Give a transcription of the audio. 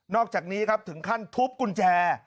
อกจากนี้ครับถึงขั้นทุบกุญแจ